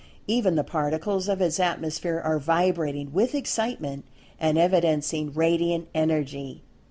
Even the Particles of its atmosphere are vibrating with Excitement, and evidencing Radiant Energy.